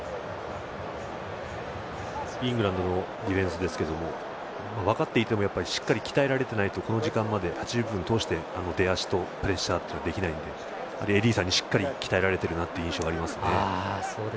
イングランドのディフェンスですが分かっていてもしっかり鍛えられていないとこの時間まで、８０分通してプレッシャー、出足はできないのでエディーさんにしっかり鍛えられている印象がありますね。